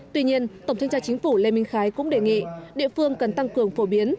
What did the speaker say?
tuy nhiên tổng thanh tra chính phủ lê minh khái cũng đề nghị địa phương cần tăng cường phổ biến